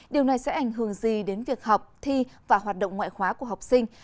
điều này sẽ ảnh hưởng gì đến việc học thi và hoạt động ngoại khóa của học sinh